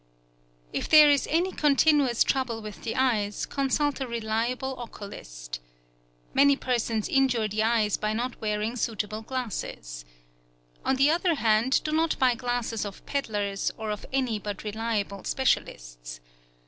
If there is any continuous trouble with the eyes, consult a reliable oculist. Many persons injure the eyes by not wearing suitable glasses. On the other hand, do not buy glasses of peddlers or of any but reliable specialists.